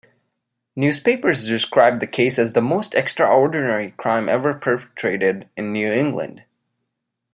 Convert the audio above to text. Newspapers described the case as the most extraordinary crime ever perpetrated in New England.